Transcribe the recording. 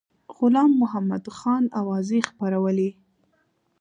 غلام محمدخان اوازې خپرولې.